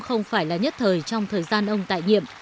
không phải là nhất thời trong thời gian ông tại nhiệm